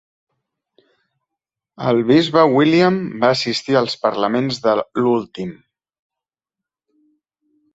El bisbe William va assistir als parlaments de l'últim.